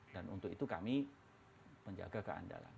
dan untuk itu kami menjaga keandalan